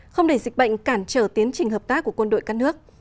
không để dịch bệnh cản trở tiến trình hợp tác của quân đội các nước